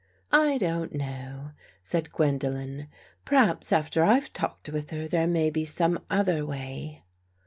" I don't know," said Gwendolen. " Perhaps after I've talked with her, there may be some other way."